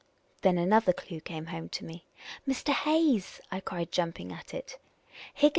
Then another clue came home to me. Mr. Hayes," I cried, jumping at it, " Higgiii.